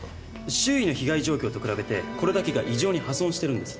周囲の被害状況と比べてこれだけが異常に破損しているんです。